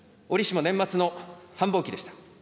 折しも年末の繁忙期でした。